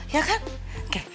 ya kan oke